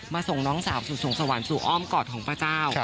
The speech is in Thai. ส่งน้องสาวสู่สวงสวรรค์สู่อ้อมกอดของพระเจ้า